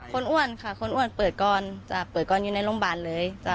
อ้วนค่ะคนอ้วนเปิดก่อนจ้ะเปิดก่อนอยู่ในโรงพยาบาลเลย